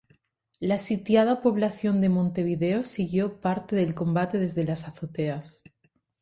La sitiada población de Montevideo siguió parte del combate desde las azoteas.